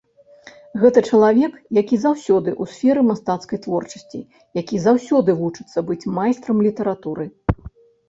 Гэта чалавек, які заўсёды ў сферы мастацкай творчасці, які заўсёды вучыцца быць майстрам літаратуры.